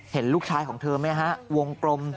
เห็นลูกชายของเธอไหมฮะวงกลม